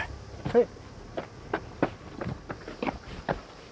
はい。